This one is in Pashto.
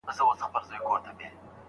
ایران به له موږ څخه مالونه وپېري.